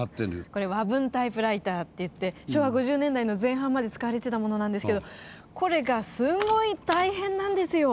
これ和文タイプライターっていって昭和５０年代の前半まで使われてたものなんですけどこれがすごい大変なんですよ！